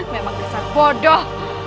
memang desa bodoh